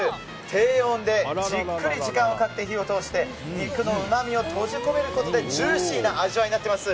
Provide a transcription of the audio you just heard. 低温でじっくり時間をかけて火を通して肉のうまみを閉じ込めることでジューシーな味わいになっています。